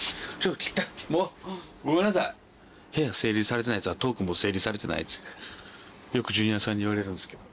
部屋整理されてないヤツはトークも整理されてないっつってよくジュニアさんに言われるんですけど。